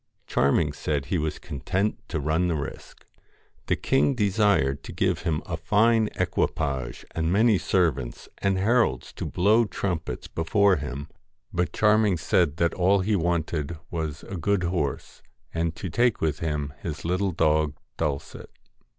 Charming said he was content to run the risk. The king desired to give him a fine equipage and many servants and heralds to blow trumpets before him ; but Charming said that all he wanted was a good horse, and to take with him his little dog Dulcet.